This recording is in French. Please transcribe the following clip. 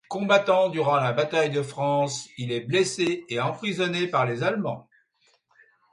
Combattant durant la bataille de France, il est blessé et emprisonné par les Allemands.